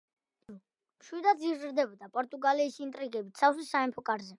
პედრუ მშვიდად იზრდებოდა პორტუგალიის ინტრიგებით სავსე სამეფო კარზე.